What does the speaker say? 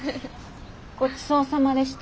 ごちそうさまでした。